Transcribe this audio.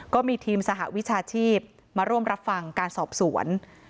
ก็มีทีมสหวิชาชีพมาร่วมรับฟังการสอบสวน